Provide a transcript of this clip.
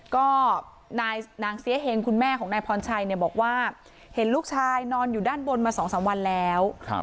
ก็นายนางเสียเฮงคุณแม่ของนายพรชัยเนี่ยบอกว่าเห็นลูกชายนอนอยู่ด้านบนมา๒๓วันแล้ว